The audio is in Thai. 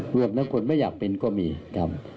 รวมทั้งคนไม่อยากเป็นก็มีครับ